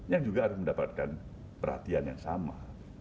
yang juga harus mendapatkan perhatian yang sama